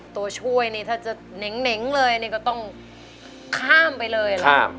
ตัวช่วยนี่ถ้าจะเหน่งเลยนี่ก็ต้องข้ามไปเลยล่ะ